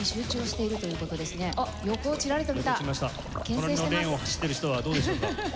隣のレーンを走っている人はどうでしょうか？